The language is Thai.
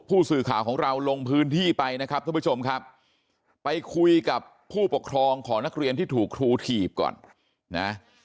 ผู้สื่อข่าวของเราลงพื้นที่ไปนะครับท่านผู้ชมครับไปคุยกับผู้ปกครองของนักเรียนที่ถูกครูถีบก่อนนะ